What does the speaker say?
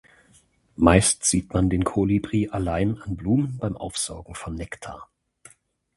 Meist sieht man den Kolibri allein an Blumen beim Aufsaugen von Nektar.